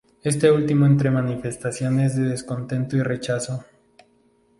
Este último entre manifestaciones de descontento y rechazo.